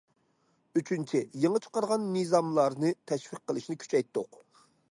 ئۈچىنچى، يېڭى چىقارغان نىزاملارنى تەشۋىق قىلىشنى كۈچەيتتۇق.